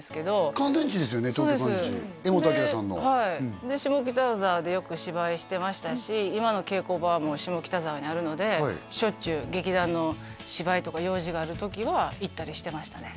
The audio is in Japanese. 東京乾電池柄本明さんのはいで下北沢でよく芝居してましたし今の稽古場も下北沢にあるのでしょっちゅう劇団の芝居とか用事がある時は行ったりしてましたね